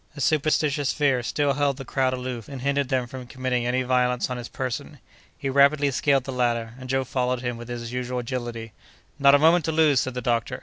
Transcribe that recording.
A superstitious fear still held the crowd aloof and hindered them from committing any violence on his person. He rapidly scaled the ladder, and Joe followed him with his usual agility. "Not a moment to lose!" said the doctor.